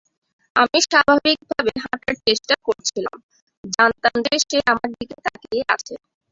আমি স্বাভাবিক ভাবে হাঁটার চেষ্টা করছিলাম, জানতাম যে সে আমার দিকে তাকিয়ে আছে।